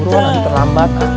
buruan aku terlambat ah